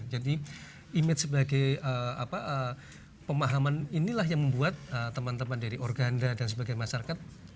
jadi image sebagai pemahaman inilah yang membuat teman teman dari organda dan sebagai masyarakat